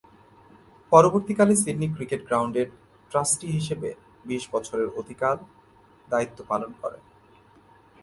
পরবর্তীকালে Sydney cricket গ্রাউন্ডের trustee হিসেবে বিশ বছরের অধিককাল দায়িত্ব পালন করেন।